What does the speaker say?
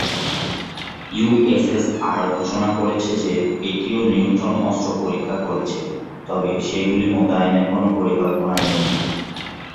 USSR ঘোষণা করেছে যে এটিও নিউট্রন অস্ত্র পরীক্ষা করেছে, তবে সেগুলি মোতায়েনের কোনও পরিকল্পনা নেই।